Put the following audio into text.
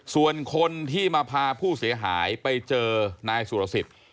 ส่วนคนที่มาพาผู้เสียหายไปเจอนายสุรสิทธิ์